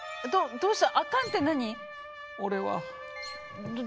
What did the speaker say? どうした？